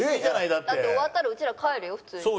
だって終わったらうちら帰るよ普通に。